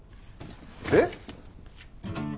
えっ？